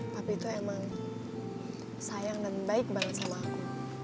papi tuh emang sayang dan baik banget sama aku